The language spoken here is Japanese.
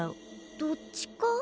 どっちか？